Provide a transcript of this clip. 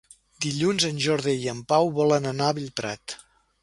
Dilluns en Jordi i en Pau volen anar a Bellprat.